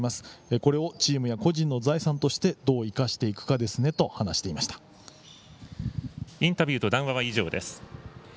これを個人やチームの財産としてどう生かしていくかですねとインタビューと談話は以上です。